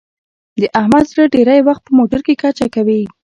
د احمد زړه ډېری وخت په موټرکې کچه کېږي.